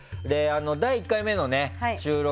第１回目の収録